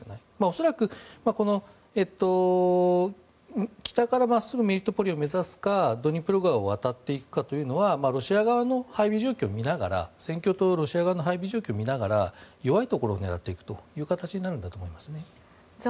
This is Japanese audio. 恐らく、北から真っすぐメリトポリを目指すかドニプロ川を渡っていくかというのは戦況とロシアの配備状況を見ながら弱いところを狙っていくという形になるんだと思います。